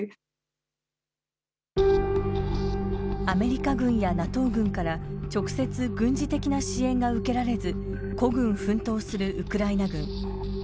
アメリカ軍やＮＡＴＯ軍から直接軍事的な支援が受けられず孤軍奮闘するウクライナ軍。